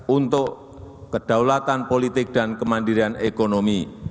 untuk kedaulatan politik dan kemandirian ekonomi